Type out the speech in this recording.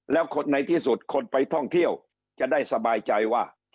แล้วคนในที่สุดคนไปท่องเที่ยวจะได้สบายใจว่า